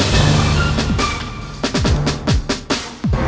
masa impresinya kayak gini tadi ya